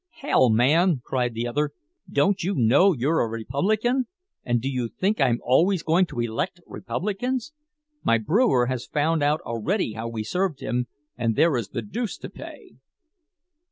"Hell, man!" cried the other. "Don't you know you're a Republican? And do you think I'm always going to elect Republicans? My brewer has found out already how we served him, and there is the deuce to pay."